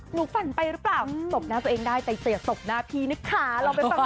หนูฝันไปหรือเปล่าอืมสบหน้าตัวเองได้แต่เสียสบหน้าพี่นึกค่ะเราไปฟังเสียลูกค้า